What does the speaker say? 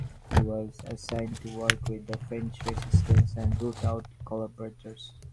He was assigned to work with the French resistance and root out collaborators.